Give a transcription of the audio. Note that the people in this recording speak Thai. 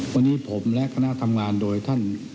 วันนี้ผมและคณะทำงานโดยท่าน